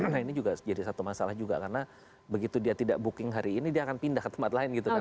karena ini juga jadi satu masalah juga karena begitu dia tidak booking hari ini dia akan pindah ke tempat lain gitu kan